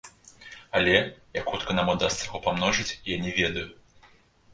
Але, як хутка нам удасца яго памножыць, я не ведаю.